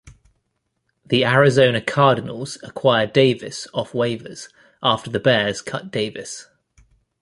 The Arizona Cardinals acquired Davis off waivers after the Bears cut Davis.